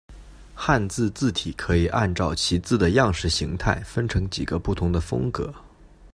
汉字字体可以按照其字的样式形态分成几个不同的风格。